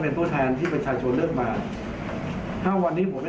หรือกระทรวจสมเคราะห์อนุญาตที่ทำยังไง